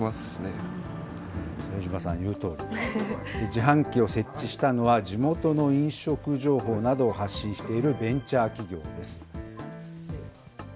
自販機を設置したのは、地元の飲食情報などを発信しているベンチャー企業です。